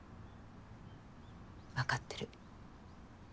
分かってる。